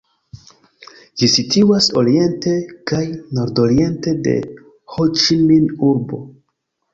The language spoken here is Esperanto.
Ĝi situas oriente kaj nordoriente de Ho-Ĉi-Min-urbo.